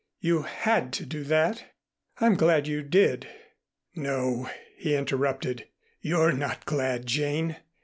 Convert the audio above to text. "You had to do that. I'm glad you did." "No," he interrupted. "You're not glad, Jane.